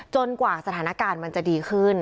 กว่าสถานการณ์มันจะดีขึ้น